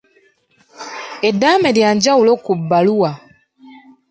Eddaame lya njawulo ku baaluwa.